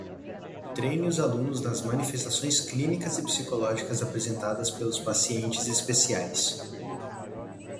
Treine os alunos nas manifestações clínicas e psicológicas apresentadas pelos pacientes especiais.